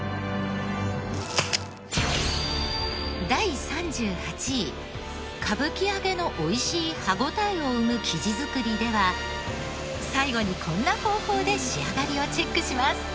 第３８位歌舞伎揚のおいしい歯応えを生む生地作りでは最後にこんな方法で仕上がりをチェックします。